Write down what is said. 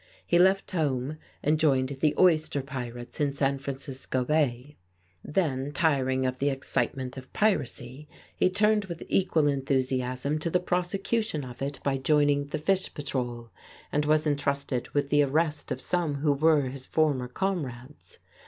He left home and joined the oyster pirates in San Francisco Bay. Then, tiring of the excitement of piracy, he turned with equal enthusiasm to the prosecution of it by joining the Fish Patrol, and was entrusted with the arrest of some who were his former comrades.